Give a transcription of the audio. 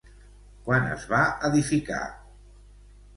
Quan es va edificar?